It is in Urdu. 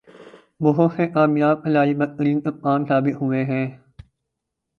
بہت سے کامیاب کھلاڑی بدترین کپتان ثابت ہوئے ہیں۔